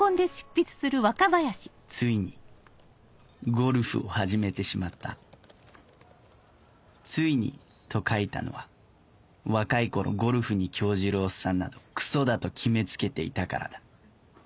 ついにゴルフを始めてしまった「ついに」と書いたのは若い頃ゴルフに興じるおっさんなどクソだと決め付けていたからだ